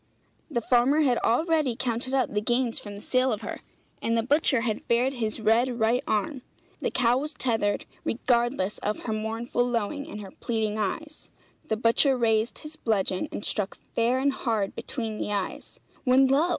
The farmer had already counted up the gains from the sale of her, and the butcher had bared his red right arm. The cow was tethered, regardless of her mournful lowing and her pleading eyes; the butcher raised his bludgeon and struck fair and hard between the eyes when lo!